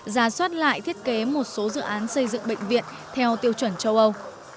giả soát lại thiết kế một số dự án xây dựng bệnh viện theo tiêu chuẩn châu âu